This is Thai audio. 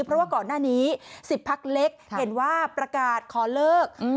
เพราะว่าก่อนหน้านี้๑๐พักเล็กเห็นว่าประกาศขอเลิก